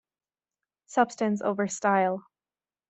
Substance over style.